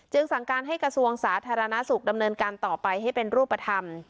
สั่งการให้กระทรวงสาธารณสุขดำเนินการต่อไปให้เป็นรูปธรรม